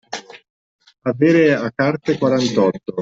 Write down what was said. Avere a carte quarantotto.